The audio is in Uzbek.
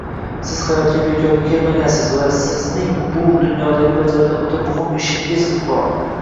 Siz hayotga bekorga kelmagansiz va sizning bu dunyoda bajaradigan o’ta muhim ishingiz bor